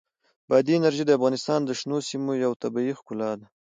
بادي انرژي د افغانستان د شنو سیمو یوه طبیعي ښکلا ده.